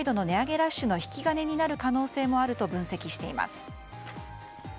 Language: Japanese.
ラッシュの引き金になる可能性もあると分析しています。